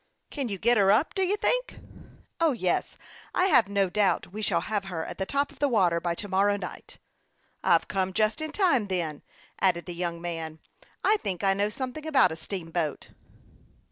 " Can you get her up, do you think ?"" Yes ; I have no doubt we shall have her at the top of the water by to morrow night." " I've come just in time, then," added the young man. " I think I know something about a steam boat."